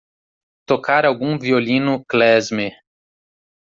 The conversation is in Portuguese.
Tocar algum violino klezmer